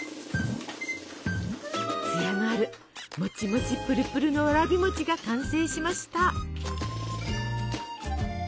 つやのあるもちもちプルプルのわらび餅が完成しました。